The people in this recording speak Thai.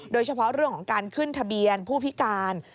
โดยเฉพาะเรื่องของการขึ้นทะเบียนผู้พิการ